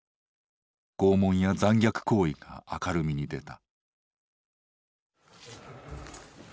拷問や残虐行為が明るみに出た。